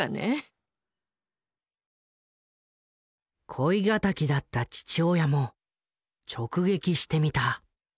恋敵だった父親も直撃してみた。